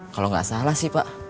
kalau nggak salah sih pak